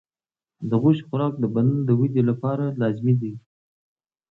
د غوښې خوراک د بدن د ودې لپاره لازمي دی.